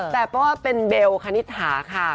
แต่พอว่าเป็นเบลล์ครนิถาค่ะ